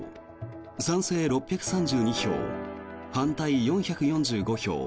賛成６３２票、反対４４５票。